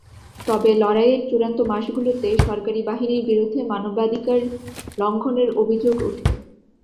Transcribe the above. তবে লড়াইয়ের চূড়ান্ত মাসগুলোতে সরকারি বাহিনীর বিরুদ্ধে মানবাধিকার লঙ্ঘনের অভিযোগ ওঠে।